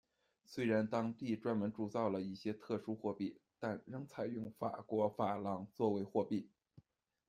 虽然当地专门铸造了一些特殊货币，但仍采用法国法郎作为货币。